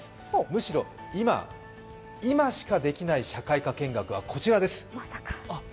むしろ今、今しかできない社会科見学はこちらです。